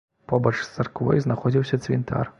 Побач з царквой знаходзіўся цвінтар.